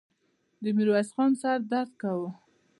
د ميرويس خان سر درد کاوه.